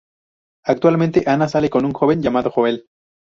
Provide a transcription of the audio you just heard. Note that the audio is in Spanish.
Actualmente Anna sale con un joven llamado Joel.